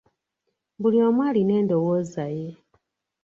Buli omu alina endowooza ye.